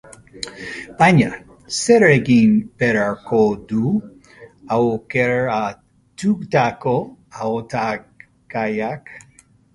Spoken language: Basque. Baina, zer egin beharko du aukeratutako hautagaiak?